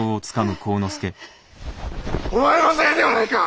お前のせいではないか！